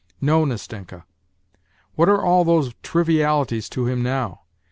No, Nastenka ; what are all those trivialities to him now